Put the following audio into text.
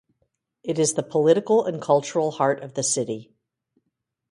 It is the political and cultural heart of the city.